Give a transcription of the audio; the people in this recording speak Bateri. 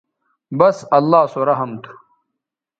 بس اللہ سو رحم تھو